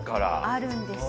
あるんですよ。